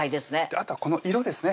あとはこの色ですね